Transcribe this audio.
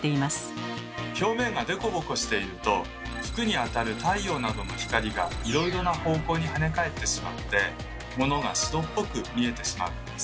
服に当たる太陽などの光がいろいろな方向にはね返ってしまって物が白っぽく見えてしまうんです。